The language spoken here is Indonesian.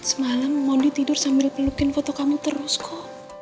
semalam mondi tidur sambil pelukin foto kamu terus kok